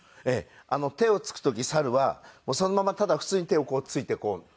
手をつく時猿はそのままただ普通に手をついてこう。